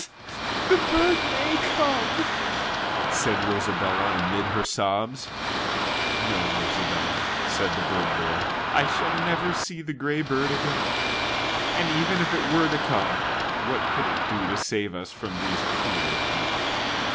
"The bird may come," said Rosabella amid her sobs. "No, Rosabella," said the bird boy, "I shall never see the gray bird again. And even if it were to come, what could it do to save us from these cruel people?"